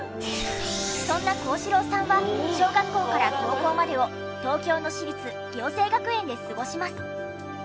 そんな幸四郎さんは小学校から高校までを東京の私立暁星学園で過ごします。